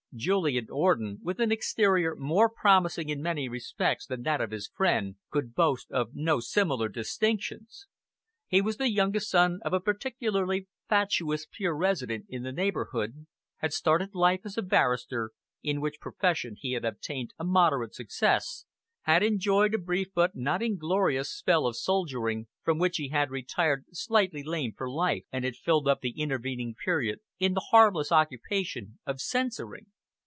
Julian Orden, with an exterior more promising in many respects than that of his friend, could boast of no similar distinctions. He was the youngest son of a particularly fatuous peer resident in the neighbourhood, had started life as a barrister, in which profession he had attained a moderate success, had enjoyed a brief but not inglorious spell of soldiering, from which he had retired slightly lamed for life, and had filled up the intervening period in the harmless occupation of censoring.